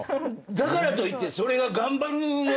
だからといってそれが頑張る。